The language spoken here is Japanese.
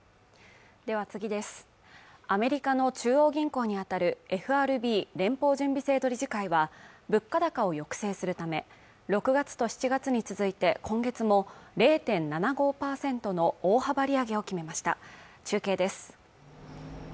アメリカの中央銀行にあたるＦＲＢ＝連邦準備制度理事会は物価高を抑制するため６月と７月に続いて今月も０．７５％の大幅利上げを決めました中継です